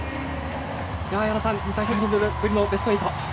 矢野さん、２大会ぶりのベスト８。